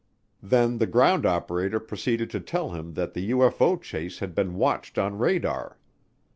Then the ground operator proceeded to tell him that the UFO chase had been watched on radar.